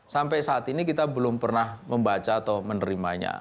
sampai saat ini kita belum pernah membaca atau menerimanya